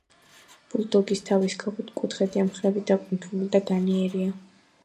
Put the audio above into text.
ბულდოგის თავის ქალა ოთხკუთხედია, მხრები დაკუნთული და განიერია.